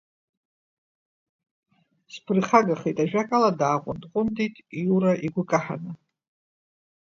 Сԥырхагахеит, ажәакала, дааҟәындҟәындит Иула игәы каҳаны.